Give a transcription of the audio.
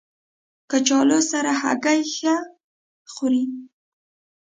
کچالو سره هګۍ ښه خوري